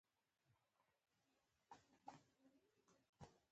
د فشار له زیاتېدو سره د مایع کثافت زیاتېږي.